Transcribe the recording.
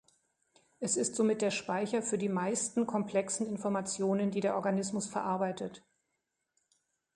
Es ist somit der Speicher für die meisten komplexen Informationen, die der Organismus verarbeitet.